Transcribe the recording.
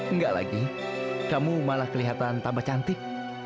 enggak lagi kamu malah kelihatan tambah cantik